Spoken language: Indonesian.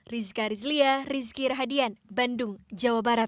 rizka rizlia rizky rahadian bandung jawa barat